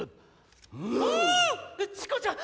⁉チコちゃん